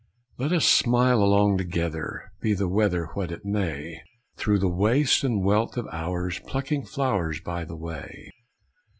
Let us smile along together, Be the weather What it may. Through the waste and wealth of hours, Plucking flowers By the way.